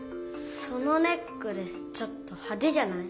そのネックレスちょっとはでじゃない？